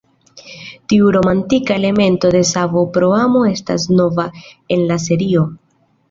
Tiu romantika elemento de savo pro amo estas nova en la serio.